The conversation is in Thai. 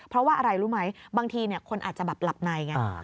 เพราะว่าอะไรรู้ไหมบางทีคนอาจจะแบบหลับในไง